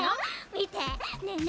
みてねえね